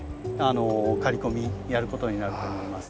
刈り込みやることになると思います。